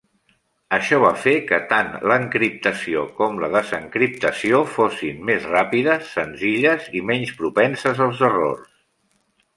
Això va fer que tant l'encriptació com la desencriptació fossin més ràpides, senzilles i menys propenses als errors.